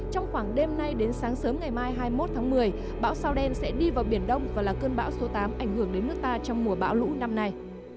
trong khoảng đêm nay đến sáng sớm ngày mai hai mươi một tháng một mươi bão sao đen sẽ đi vào biển đông và là cơn bão số tám ảnh hưởng đến nước ta trong mùa bão lũ năm nay